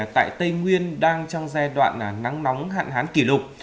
tại tây nguyên đang trong giai đoạn nắng nóng hạn hán kỷ lục